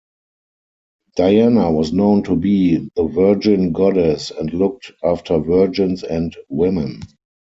Diana was known to be the virgin goddess and looked after virgins and women.